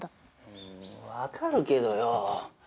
うーんわかるけどよ。